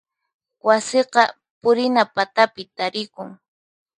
Wasiqa purina patapi tarikun.